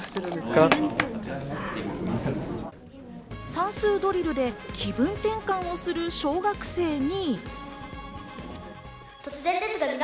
算数ドリルで気分転換をする小学生に。